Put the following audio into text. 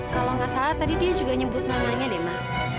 kalau gak salah tadi dia juga nyebut namanya deh ma